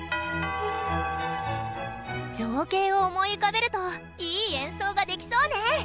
情景を思い浮かべるといい演奏ができそうね。